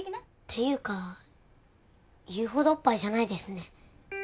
ていうか言うほどおっぱいじゃないですね。